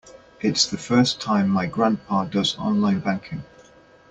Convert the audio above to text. It's the first time my grandpa does online banking.